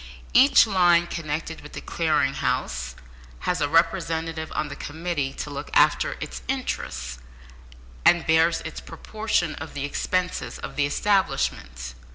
Each line connected with the Clearing House has a representative on the committee to look after its interests, and bears its proportion of the expenses of the establishment.